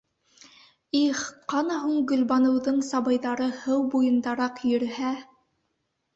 Их, ҡана һуң Гөлбаныуҙың сабыйҙары һыу буйындараҡ йөрөһә.